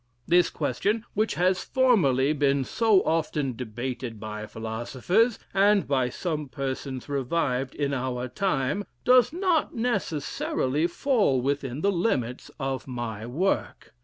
This question, which has formerly been so often debated by philosophers, and by some persons revived in our time, does not necessarily fall within the limits of my work.